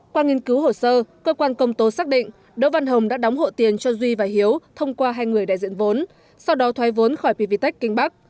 qua nghiên cứu hồ sơ cơ quan công tố xác định đỗ văn hồng đã đóng hộ tiền cho duy và hiếu thông qua hai người đại diện vốn sau đó thoái vốn khỏi pvtec kinh bắc